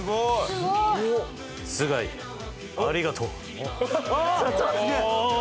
須貝ありがとう。